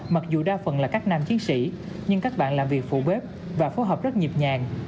mặc dù đa phần là các nam chiến sĩ nhưng các bạn làm việc phù bếp và phối hợp rất nhịp nhàng